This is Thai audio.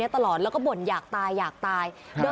อายุ๖ขวบซึ่งตอนนั้นเนี่ยเป็นพี่ชายมารอเอาน้องกั๊กนะคะ